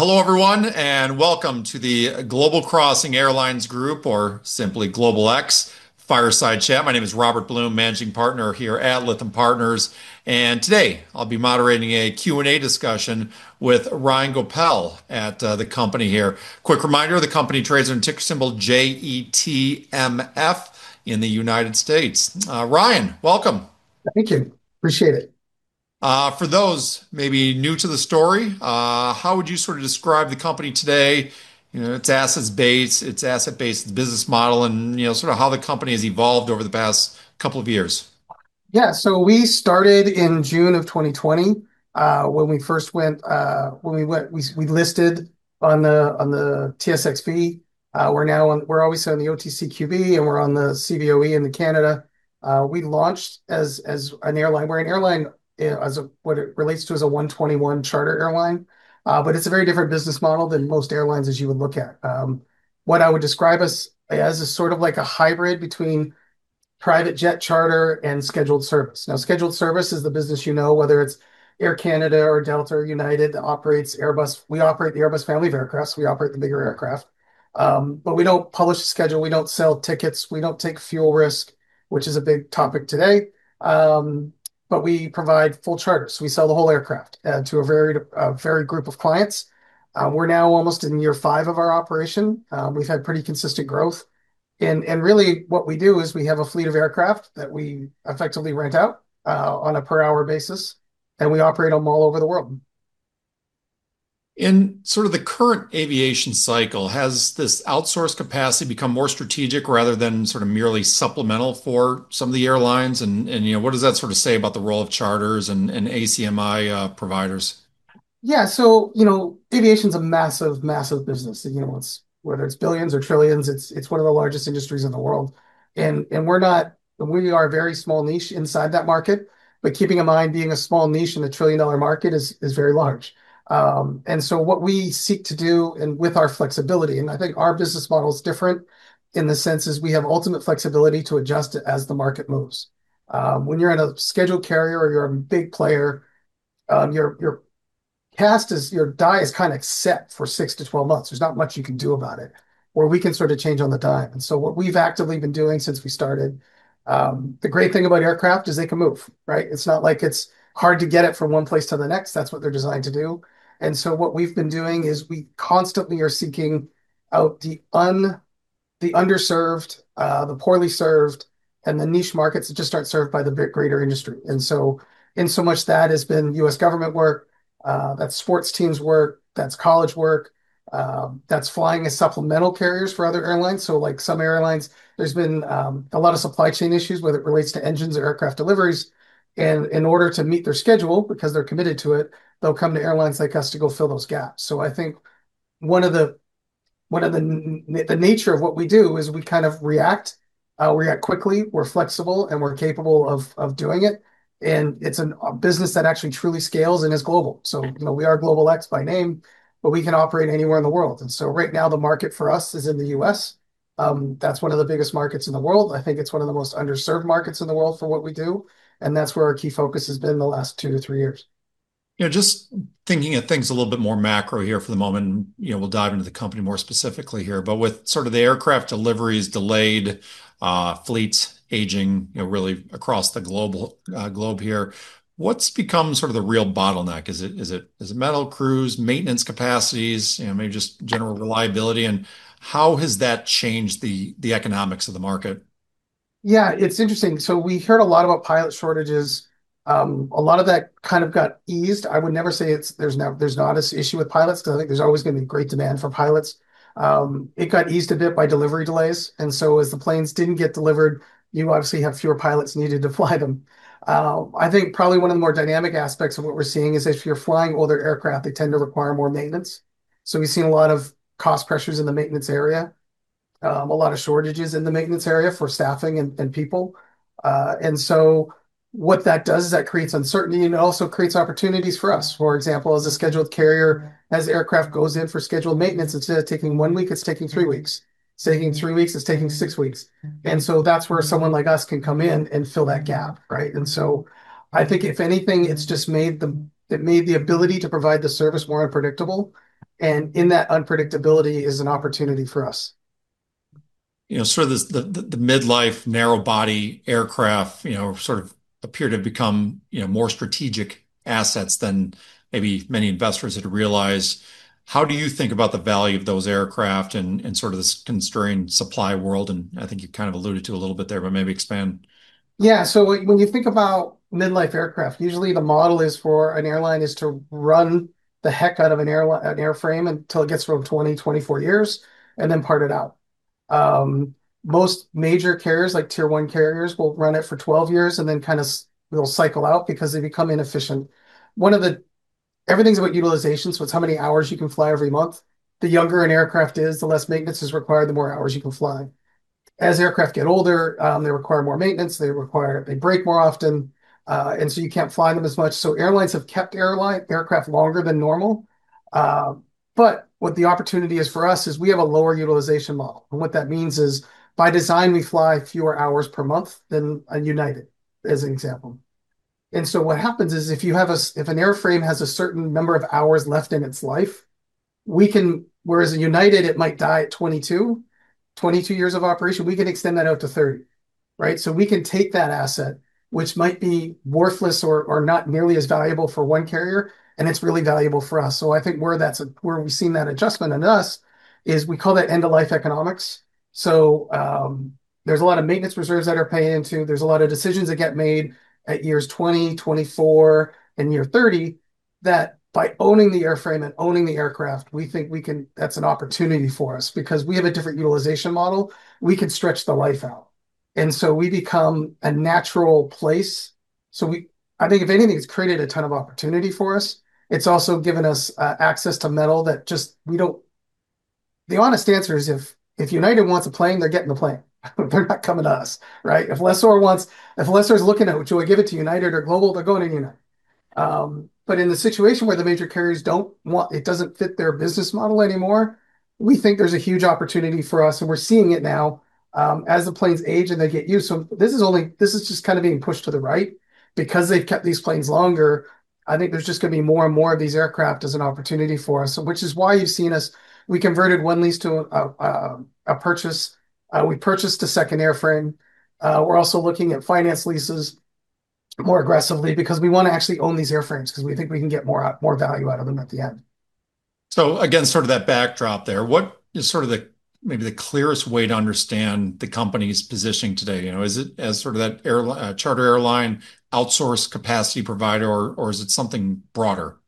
Hello everyone, and welcome to the Global Crossing Airlines Group, or simply Global X Fireside Chat. My name is Robert Bloom, Managing Partner here at Lytham Partners, and today I'll be moderating a Q&A discussion with Ryan Goepel at the company here. Quick reminder, the company trades under ticker symbol JETMF in the United States. Ryan, welcome. Thank you. Appreciate it. For those maybe new to the story, how would you sort of describe the company today, you know, its assets base, its asset-based business model and, you know, sort of how the company has evolved over the past couple of years? Yeah. We started in June of 2020 when we listed on the TSXV. We're also on the OTCQB, and we're on the Cboe Canada. We launched as an airline. We're an airline, as what it relates to as a Part 121 charter airline, but it's a very different business model than most airlines as you would look at. What I would describe as a sort of like a hybrid between private jet charter and scheduled service. Scheduled service is the business you know, whether it's Air Canada or Delta or United operates Airbus. We operate the Airbus family of aircraft. We operate the bigger aircraft. We don't publish a schedule, we don't sell tickets, we don't take fuel risk, which is a big topic today. We provide full charters. We sell the whole aircraft to a varied group of clients. We're now almost in year five of our operation. We've had pretty consistent growth and really what we do is we have a fleet of aircraft that we effectively rent out on a per hour basis, and we operate them all over the world. In sort of the current aviation cycle, has this outsourced capacity become more strategic rather than sort of merely supplemental for some of the airlines and, you know, what does that sort of say about the role of charters and ACMI providers? Yeah you know, aviation's a massive business. You know, it's whether it's billions or trillions, it's one of the largest industries in the world. We are a very small niche inside that market, but keeping in mind, being a small niche in a trillion-dollar market is very large. What we seek to do, and with our flexibility, and I think our business model is different in the sense is we have ultimate flexibility to adjust it as the market moves. When you're in a scheduled carrier or you're a big player, the die is kind of cast for 6-12 months. There's not much you can do about it, where we can sort of change on the dime. What we've actively been doing since we started, the great thing about aircraft is they can move, right? It's not like it's hard to get it from one place to the next. That's what they're designed to do. What we've been doing is we constantly are seeking out the underserved, the poorly served, and the niche markets that just aren't served by the greater industry. In so much that has been U.S. government work, that's sports teams work, that's college work, that's flying as supplemental carriers for other airlines. Like some airlines, there's been a lot of supply chain issues, whether it relates to engines or aircraft deliveries, and in order to meet their schedule, because they're committed to it, they'll come to airlines like us to go fill those gaps. I think one of the nature of what we do is we kind of react quickly, we're flexible, and we're capable of doing it, and it's a business that actually truly scales and is global. You know, we are GlobalX by name, but we can operate anywhere in the world. Right now the market for us is in the U.S. That's one of the biggest markets in the world. I think it's one of the most underserved markets in the world for what we do, and that's where our key focus has been the last two to three years. You know, just thinking of things a little bit more macro here for the moment, and, you know, we'll dive into the company more specifically here, but with sort of the aircraft deliveries delayed, fleets aging, you know, really across the global globe here, what's become sort of the real bottleneck? Is it metal crews, maintenance capacities, you know, maybe just general reliability, and how has that changed the economics of the market? Yeah, it's interesting. We heard a lot about pilot shortages. A lot of that kind of got eased, I would never say it's not an issue with pilots, because I think there's always gonna be great demand for pilots. It got eased a bit by delivery delays, and so as the planes didn't get delivered, you obviously have fewer pilots needed to fly them. I think probably one of the more dynamic aspects of what we're seeing is if you're flying older aircraft, they tend to require more maintenance. We've seen a lot of cost pressures in the maintenance area, a lot of shortages in the maintenance area for staffing and people. What that does is that creates uncertainty, and it also creates opportunities for us. For example as a scheduled carrier, as aircraft goes in for scheduled maintenance, instead of taking one week, it's taking three weeks, it's taking six weeks. That's where someone like us can come in and fill that gap, right? I think if anything, it made the ability to provide the service more unpredictable, and in that unpredictability is an opportunity for us. You know, sort of this, the mid-life narrow body aircraft, you know, sort of appear to become, you know, more strategic assets than maybe many investors had realized. How do you think about the value of those aircraft and sort of this constrained supply world? I think you kind of alluded to a little bit there, but maybe expand. Yeah. When you think about mid-life aircraft, usually the model for an airline is to run the heck out of an airframe until it gets to around 20-24 years, and then part it out. Most major carriers, like tier one carriers, will run it for 12 years, and then kind of they'll cycle out because they become inefficient. Everything's about utilization, so it's how many hours you can fly every month. The younger an aircraft is, the less maintenance is required, the more hours you can fly. As aircraft get older, they require more maintenance, they break more often, and you can't fly them as much. Airlines have kept aircraft longer than normal. What the opportunity is for us is we have a lower utilization model, and what that means is by design, we fly fewer hours per month than a United, as an example. What happens is if an airframe has a certain number of hours left in its life, we can. Whereas in United it might die at 22 years of operation, we can extend that out to 30, right? We can take that asset, which might be worthless or not nearly as valuable for one carrier, and it's really valuable for us. I think where we've seen that adjustment in us is we call that end-of-life economics. There's a lot of maintenance reserves that are paying into. There's a lot of decisions that get made at years 20, 24, and year 30 that by owning the airframe and owning the aircraft, we think we can that's an opportunity for us. Because we have a different utilization model, we could stretch the life out. We become a natural place. I think if anything's created a ton of opportunity for us, it's also given us access to metal that we just don't. The honest answer is if United wants a plane, they're getting the plane. They're not coming to us, right? If lessor's looking at should we give it to United or Global, they're going to United. In the situation where the major carriers don't want it doesn't fit their business model anymore, we think there's a huge opportunity for us, and we're seeing it now, as the planes age and they get used. This is just kind of being pushed to the right. Because they've kept these planes longer, I think there's just gonna be more and more of these aircraft as an opportunity for us, which is why you've seen us. We converted one lease to a purchase. We purchased a second airframe. We're also looking at finance leases more aggressively because we wanna actually own these airframes because we think we can get more value out of them at the end. Again, sort of that backdrop there. What is sort of maybe the clearest way to understand the company's positioning today? You know, is it as sort of that charter airline, outsourced capacity provider, or is it something broader?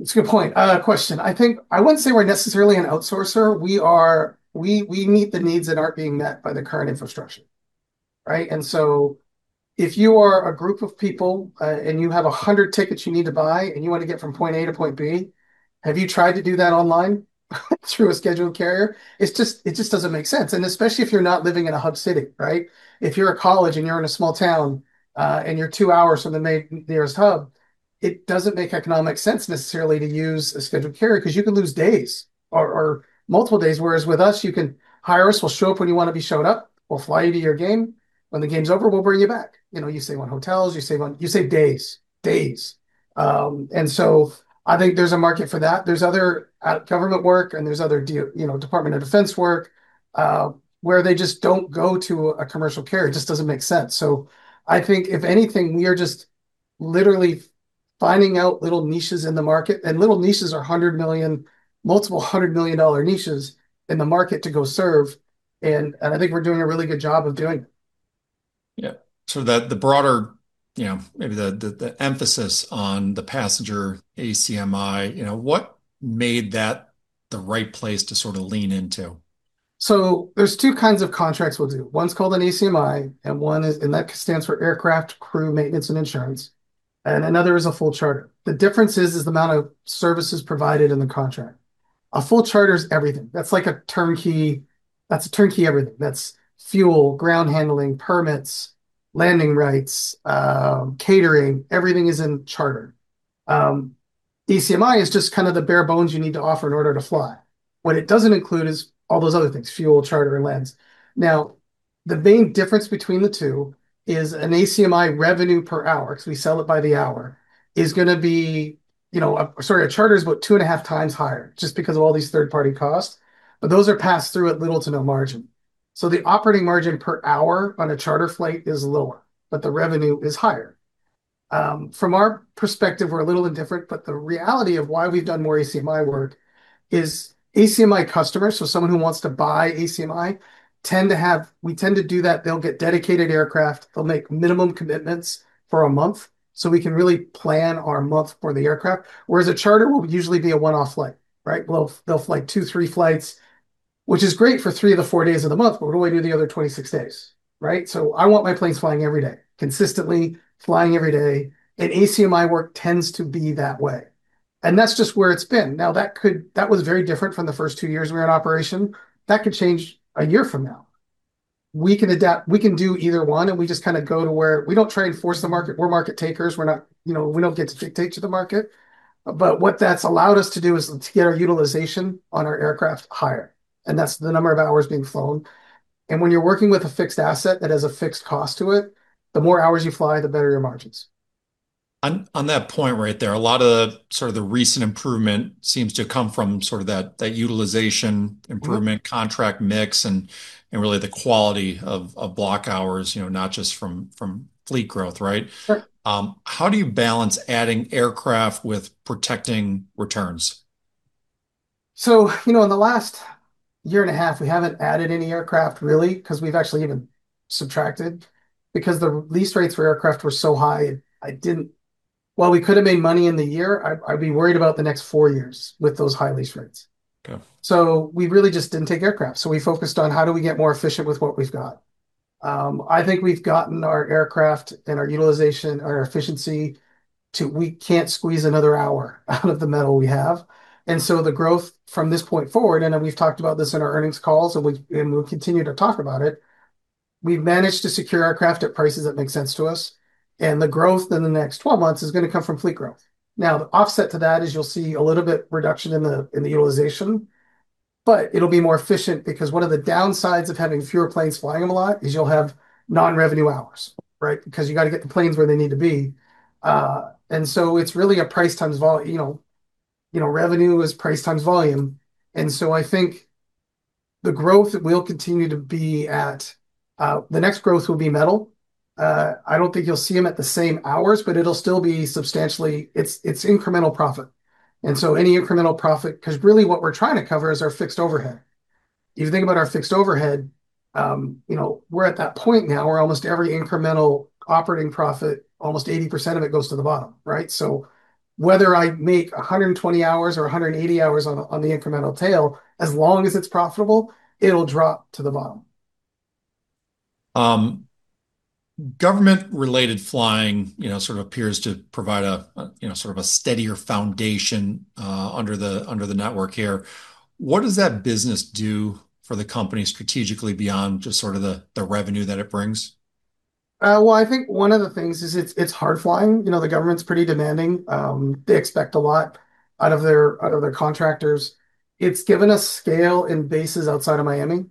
It's a good point, question. I think I wouldn't say we're necessarily an outsourcer, we meet the needs that aren't being met by the current infrastructure, right? If you are a group of people and you have 100 tickets you need to buy, and you want to get from point A to point B, have you tried to do that online through a scheduled carrier? It just doesn't make sense, and especially if you're not living in a hub city, right? If you're a college and you're in a small town and you're two hours from the main nearest hub, it doesn't make economic sense necessarily to use a scheduled carrier because you can lose days or multiple days. Whereas with us, you can hire us. We'll show up when you wanna be shown up. We'll fly you to your game. When the game's over, we'll bring you back. You know, you save on hotels. You save days. I think there's a market for that. There's other government work, and there's other you know, Department of Defense work, where they just don't go to a commercial carrier. It just doesn't make sense. I think if anything, we are just literally finding out little niches in the market, and little niches are $100 million, multiple $100 million dollar niches in the market to go serve, and I think we're doing a really good job of doing it. Yeah. The broader, you know, maybe the emphasis on the passenger ACMI, you know, what made that the right place to sort of lean into? There's two kinds of contracts we'll do. One's called an ACMI, and that stands for aircraft, crew, maintenance, and insurance, and another is a full charter. The difference is the amount of services provided in the contract. A full charter is everything. That's a turnkey everything. That's fuel, ground handling, permits, landing rights, catering. Everything is in charter. ACMI is just kind of the bare bones you need to offer in order to fly. What it doesn't include is all those other things, fuel, charter, and lands. Now, the main difference between the two is an ACMI revenue per hour, because we sell it by the hour, is gonna be, you know. Sorry, a charter is about 2.5 times higher just because of all these third-party costs, but those are passed through at little to no margin. The operating margin per hour on a charter flight is lower, but the revenue is higher. From our perspective, we're a little indifferent, but the reality of why we've done more ACMI work is ACMI customers, so someone who wants to buy ACMI, we tend to do that. They'll get dedicated aircraft. They'll make minimum commitments for a month, so we can really plan our month for the aircraft. Whereas a charter will usually be a one-off flight, right? They'll fly two, three flights, which is great for three of the four days of the month, but what do I do the other 26 days, right? I want my planes flying every day, consistently flying every day, and ACMI work tends to be that way, and that's just where it's been. Now, that was very different from the first two years we were in operation. That could change a year from now. We can adapt. We can do either one, and we just kinda go to where we don't try and force the market. We're market takers. We're not, you know, we don't get to dictate to the market. What that's allowed us to do is to get our utilization on our aircraft higher, and that's the number of hours being flown. When you're working with a fixed asset that has a fixed cost to it, the more hours you fly, the better your margins. On that point right there, a lot of sort of the recent improvement seems to come from sort of that utilization improvement contract mix and really the quality of block hours, you know, not just from fleet growth, right? Sure. How do you balance adding aircraft with protecting returns? You know, in the last year and a half, we haven't added any aircraft really because we've actually even subtracted. Because the lease rates for aircraft were so high, while we could have made money in the year, I'd be worried about the next four years with those high lease rates. Okay. We really just didn't take aircraft. We focused on how do we get more efficient with what we've got. I think we've gotten our aircraft and our utilization and our efficiency to we can't squeeze another hour out of the metal we have. The growth from this point forward, and then we've talked about this in our earnings calls, and we'll continue to talk about it, we've managed to secure aircraft at prices that make sense to us, and the growth in the next 12 months is gonna come from fleet growth. Now, the offset to that is you'll see a little bit reduction in the utilization. It'll be more efficient because one of the downsides of having fewer planes flying them a lot is you'll have non-revenue hours, right? Because you gotta get the planes where they need to be. It's really a price times volume. You know, revenue is price times volume. I think the growth that we'll continue to be at the next growth will be metal. I don't think you'll see them at the same hours, but it'll still be substantially. It's incremental profit, and so any incremental profit. Because really what we're trying to cover is our fixed overhead. If you think about our fixed overhead, you know, we're at that point now where almost every incremental operating profit, almost 80% of it goes to the bottom, right? Whether I make 120 hours or 180 hours on the incremental tail, as long as it's profitable, it'll drop to the bottom. Government related flying, you know, sort of appears to provide a steadier foundation under the network here. What does that business do for the company strategically beyond just sort of the revenue that it brings? Well, I think one of the things is it's hard flying. You know, the government's pretty demanding. They expect a lot out of their contractors. It's given us scale and bases outside of Miami,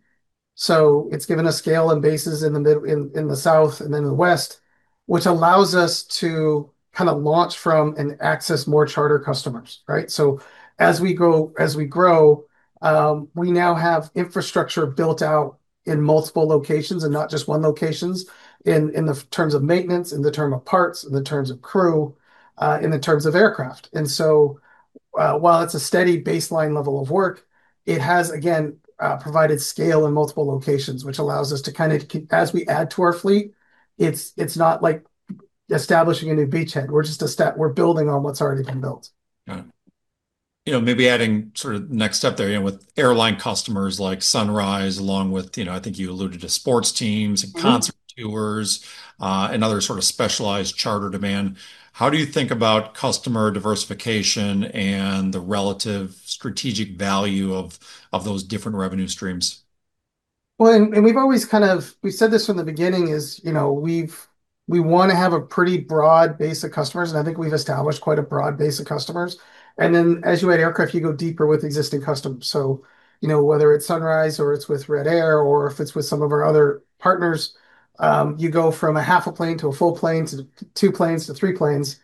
so it's given us scale and bases in the South and then in the West, which allows us to kind of launch from and access more charter customers, right? So as we grow, we now have infrastructure built out in multiple locations and not just one locations in the terms of maintenance in the term of parts, in the terms of crew, in the terms of aircraft. While it's a steady baseline level of work, it has again provided scale in multiple locations, which allows us to kind of as we add to our fleet, it's not like establishing a new beachhead. We're just building on what's already been built. Yeah. You know, maybe adding sort of next step there, you know, with airline customers like Sunrise, along with, you know, I think you alluded to sports teams. Mm-hmm concert tours, and other sort of specialized charter demand. How do you think about customer diversification and the relative strategic value of those different revenue streams? We've said this from the beginning is, you know, we wanna have a pretty broad base of customers, and I think we've established quite a broad base of customers. Then as you add aircraft, you go deeper with existing customers. You know, whether it's Sunrise or it's with RED Air, or if it's with some of our other partners, you go from a half a plane to a full plane to two planes to three planes.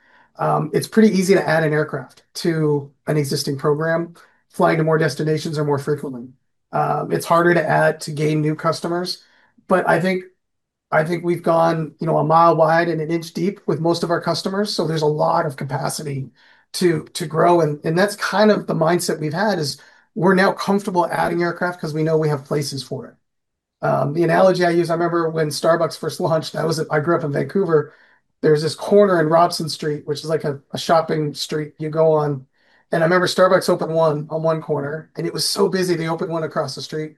It's pretty easy to add an aircraft to an existing program, flying to more destinations or more frequently. It's harder to gain new customers. I think we've gone, you know, a mile wide and an inch deep with most of our customers, so there's a lot of capacity to grow and that's kind of the mindset we've had is we're now comfortable adding aircraft because we know we have places for it. The analogy I use, I remember when Starbucks first launched, I grew up in Vancouver. There was this corner in Robson Street, which is like a shopping street you go on, and I remember Starbucks opened one on one corner, and it was so busy they opened one across the street.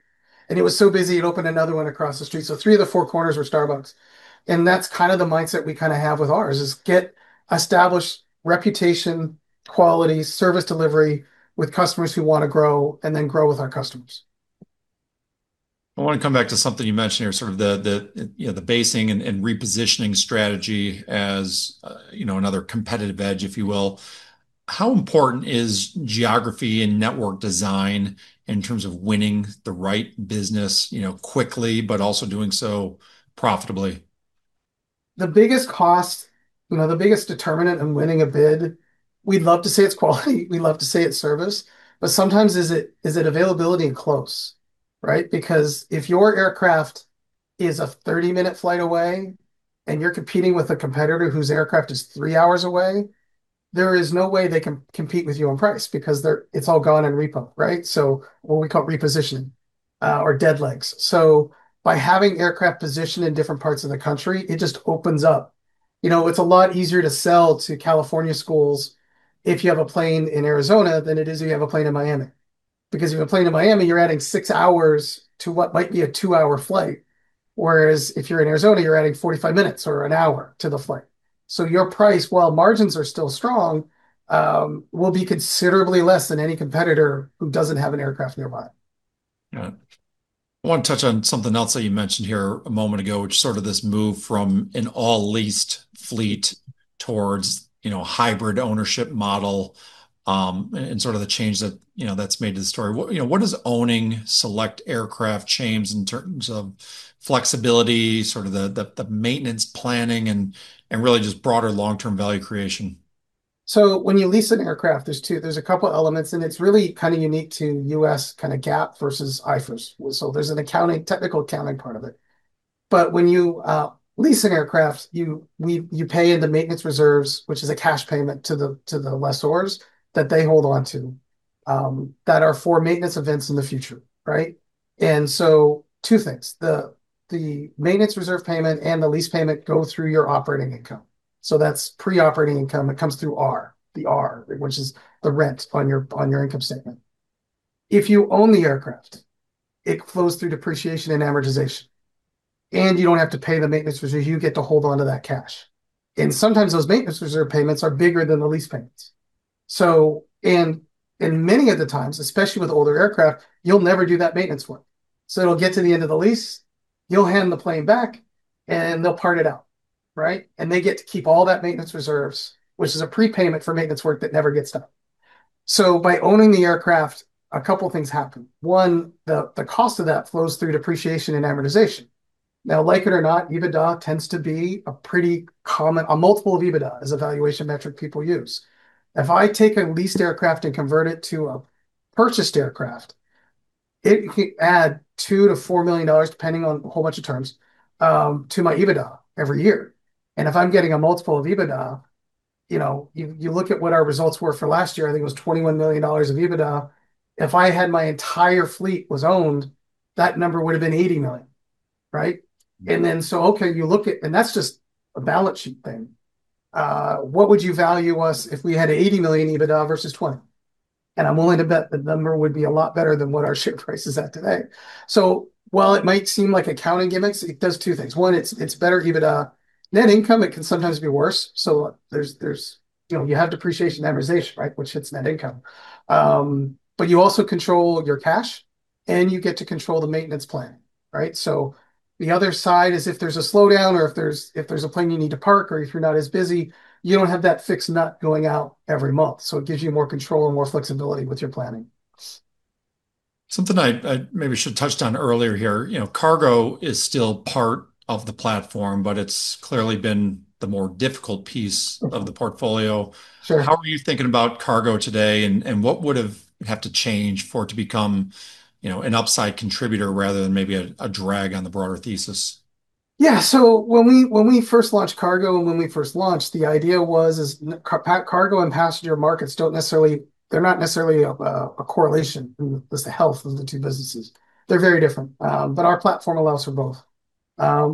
It was so busy it opened another one across the street. Three of the four corners were Starbucks, and that's kind of the mindset we kinda have with ours is get established reputation, quality, service delivery with customers who wanna grow, and then grow with our customers. I wanna come back to something you mentioned here, sort of the, you know, the basing and repositioning strategy as, you know, another competitive edge, if you will. How important is geography and network design in terms of winning the right business, you know, quickly, but also doing so profitably? The biggest cost, you know, the biggest determinant in winning a bid, we'd love to say it's quality, we'd love to say it's service, but sometimes is it availability and close, right? Because if your aircraft is a 30-minute flight away and you're competing with a competitor whose aircraft is three hours away, there is no way they can compete with you on price because it's all gone in repo, right? What we call reposition or dead legs. By having aircraft positioned in different parts of the country, it just opens up. You know, it's a lot easier to sell to California schools if you have a plane in Arizona than it is if you have a plane in Miami, because if you have a plane in Miami, you're adding six hours to what might be a two-hour flight, whereas if you're in Arizona, you're adding 45 minutes or an hour to the flight. Your price, while margins are still strong, will be considerably less than any competitor who doesn't have an aircraft nearby. Yeah. I wanna touch on something else that you mentioned here a moment ago, which is sort of this move from an all leased fleet towards, you know, hybrid ownership model, and sort of the change that, you know, that's made to the story. What, you know, what does owning select aircraft change in terms of flexibility, sort of the maintenance planning and really just broader long-term value creation? When you lease an aircraft, there's a couple elements, and it's really kind of unique to U.S. kind of GAAP versus IFRS. There's an accounting, technical accounting part of it. When you lease an aircraft, you pay into maintenance reserves, which is a cash payment to the lessors that they hold onto, that are for maintenance events in the future, right? Two things, the maintenance reserve payment and the lease payment go through your operating income, so that's pre-operating income. It comes through R, the R, which is the rent on your income statement. If you own the aircraft, it flows through depreciation and amortization, and you don't have to pay the maintenance reserve. You get to hold onto that cash. Sometimes those maintenance reserve payments are bigger than the lease payments. In many of the times, especially with older aircraft, you'll never do that maintenance work. It'll get to the end of the lease, you'll hand the plane back, and they'll part it out. Right? They get to keep all that maintenance reserves, which is a prepayment for maintenance work that never gets done. By owning the aircraft, a couple things happen. One, the cost of that flows through depreciation and amortization. Now, like it or not, EBITDA tends to be a pretty common. A multiple of EBITDA is a valuation metric people use. If I take a leased aircraft and convert it to a purchased aircraft, it can add $2 million-$4 million, depending on a whole bunch of terms, to my EBITDA every year. If I'm getting a multiple of EBITDA, you know, you look at what our results were for last year, I think it was $21 million of EBITDA. If I had my entire fleet was owned, that number would've been $80 million, right? Mm-hmm. Okay, you look at that. That's just a balance sheet thing. What would you value us if we had $80 million EBITDA versus $20 million? I'm willing to bet the number would be a lot better than what our share price is at today. While it might seem like accounting gimmicks, it does two things. One, it's better EBITDA. Net income, it can sometimes be worse. You know, you have depreciation and amortization, right? Which hits net income. But you also control your cash, and you get to control the maintenance plan, right? The other side is if there's a slowdown or if there's a plane you need to park or if you're not as busy, you don't have that fixed nut going out every month, so it gives you more control and more flexibility with your planning. Something I maybe should've touched on earlier here, you know, cargo is still part of the platform, but it's clearly been the more difficult piece. Mm-hmm of the portfolio. Sure. How are you thinking about cargo today, and what would have had to change for it to become, you know, an upside contributor rather than maybe a drag on the broader thesis? Yeah. When we first launched cargo and when we first launched, the idea was cargo and passenger markets don't necessarily. They're not necessarily a correlation with the health of the two businesses. They're very different. Our platform allows for both.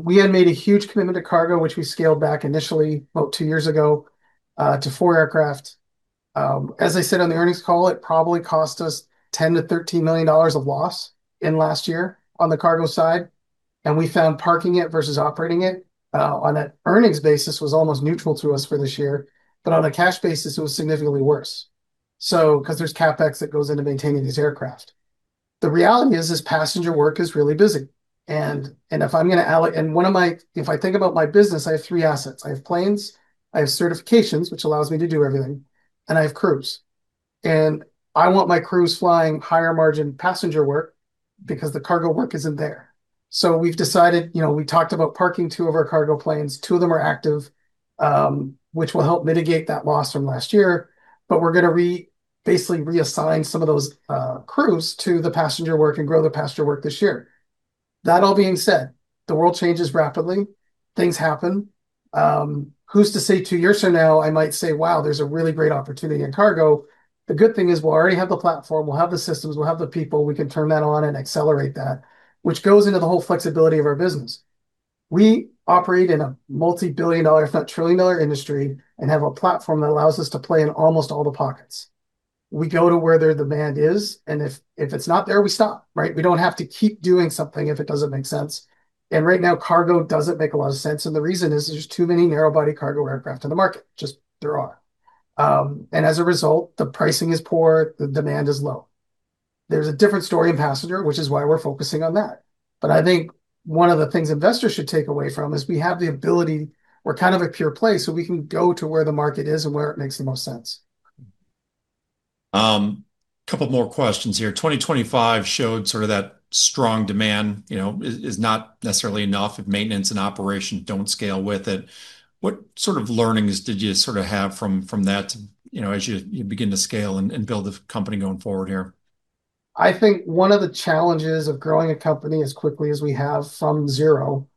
We had made a huge commitment to cargo, which we scaled back initially about two years ago to four aircraft. As I said on the earnings call, it probably cost us $10-$13 million of loss in last year on the cargo side, and we found parking it versus operating it on an earnings basis was almost neutral to us for this year. On a cash basis, it was significantly worse because there's CapEx that goes into maintaining these aircraft. The reality is passenger work is really busy. If I think about my business, I have three assets. I have planes, I have certifications, which allows me to do everything, and I have crews. I want my crews flying higher margin passenger work because the cargo work isn't there. We've decided, you know, we talked about parking two of our cargo planes. Two of them are active, which will help mitigate that loss from last year. We're gonna basically reassign some of those crews to the passenger work and grow the passenger work this year. That all being said, the world changes rapidly. Things happen. Who's to say two years from now I might say, "Wow, there's a really great opportunity in cargo"? The good thing is we'll already have the platform. We'll have the systems. We'll have the people. We can turn that on and accelerate that, which goes into the whole flexibility of our business. We operate in a multi-billion-dollar, if not trillion-dollar industry, and have a platform that allows us to play in almost all the pockets. We go to where the demand is, and if it's not there, we stop, right? We don't have to keep doing something if it doesn't make sense. Right now, cargo doesn't make a lot of sense, and the reason is there's too many narrow-body cargo aircraft on the market. As a result, the pricing is poor, the demand is low. There's a different story in passenger, which is why we're focusing on that. I think one of the things investors should take away from this is we have the ability. We're kind of a pure play, so we can go to where the market is and where it makes the most sense. Couple more questions here. 2025 showed sort of that strong demand, you know, is not necessarily enough if maintenance and operation don't scale with it. What sort of learnings did you sort of have from that, you know, as you begin to scale and build the company going forward here? I think one of the challenges of growing a company as quickly as we have from zero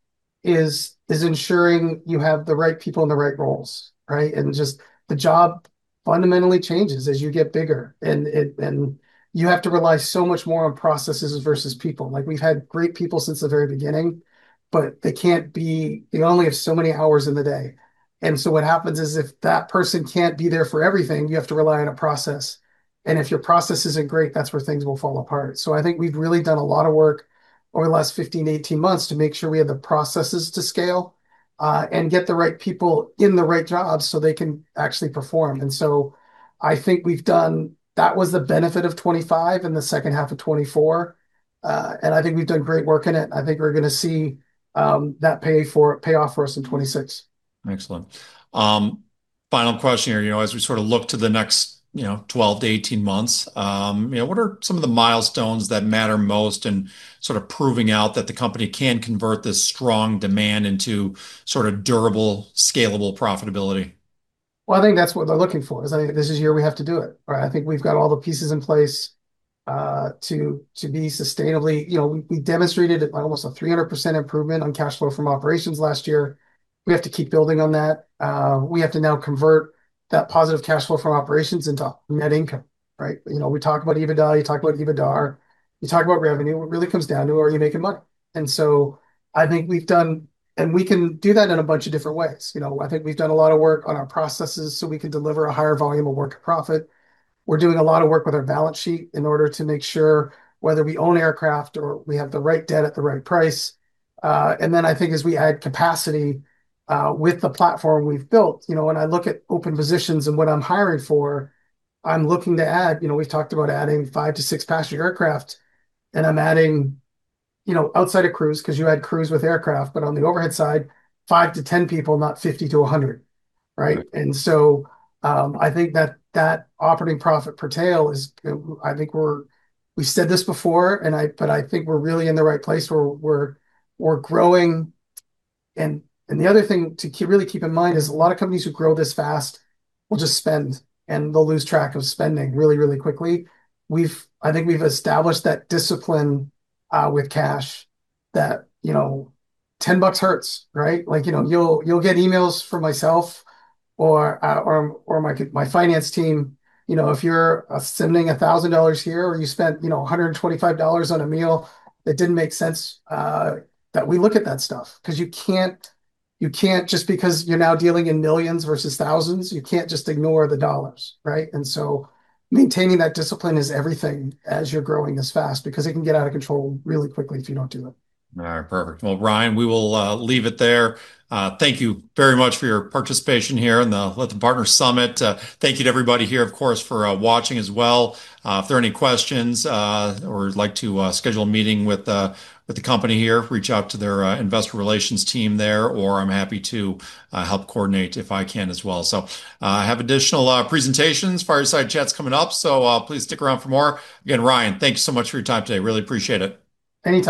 is ensuring you have the right people in the right roles, right? Just the job fundamentally changes as you get bigger and you have to rely so much more on processes versus people. Like, we've had great people since the very beginning, but they can't be. They only have so many hours in the day, and so what happens is if that person can't be there for everything, you have to rely on a process. If your process isn't great, that's where things will fall apart. I think we've really done a lot of work over the last 15-18 months to make sure we have the processes to scale and get the right people in the right jobs so they can actually perform. That was the benefit of 2025 and the second half of 2024. I think we've done great work in it. I think we're gonna see that pay off for us in 2026. Excellent. Final question here. You know, as we sort of look to the next, you know, 12-18 months, you know, what are some of the milestones that matter most in sort of proving out that the company can convert this strong demand into sort of durable, scalable profitability? Well, I think that's what they're looking for is, I think, this is the year we have to do it, right? I think we've got all the pieces in place, to be sustainably. You know, we demonstrated almost a 300% improvement on cash flow from operations last year. We have to keep building on that. We have to now convert that positive cash flow from operations into net income, right? You know, we talk about EBITDA, you talk about EBIDAR, you talk about revenue. It really comes down to, are you making money? I think we've done. We can do that in a bunch of different ways. You know, I think we've done a lot of work on our processes so we can deliver a higher volume of work profit. We're doing a lot of work with our balance sheet in order to make sure whether we own aircraft or we have the right debt at the right price. I think as we add capacity with the platform we've built, you know, when I look at open positions and what I'm hiring for, I'm looking to add you know, we've talked about adding 5-6 passenger aircraft, and I'm adding, you know, outside of crews, because you add crews with aircraft, but on the overhead side, five-10 people, not 50-100, right? Right. I think that operating profit per tail is. I think we're really in the right place where we're growing. The other thing to really keep in mind is a lot of companies who grow this fast will just spend, and they'll lose track of spending really quickly. I think we've established that discipline with cash that, you know, $10 hurts, right? Like, you know, you'll get emails from myself or my finance team. You know, if you're sending $1,000 here or you spent, you know, $125 on a meal that didn't make sense, that we look at that stuff. Because you can't. Just because you're now dealing in millions versus thousands, you can't just ignore the dollars, right? Maintaining that discipline is everything as you're growing this fast, because it can get out of control really quickly if you don't do it. All right. Perfect. Well, Ryan, we will leave it there. Thank you very much for your participation here in the Lytham Partners Summit. Thank you to everybody here, of course, for watching as well. If there are any questions, or you'd like to schedule a meeting with the company here, reach out to their investor relations team there, or I'm happy to help coordinate if I can as well. I have additional presentations, Fireside Chats coming up, so please stick around for more. Again, Ryan thank you so much for your time today. Really appreciate it. Anytime.